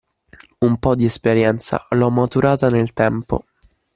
Un po’ di esperienza l’ho maturata nel tempo